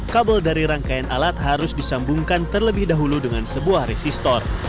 kabel dari rangkaian alat harus disambungkan terlebih dahulu dengan sebuah resistor